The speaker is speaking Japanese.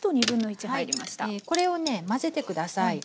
これをね混ぜて下さい。